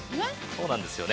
◆そうなんですよ。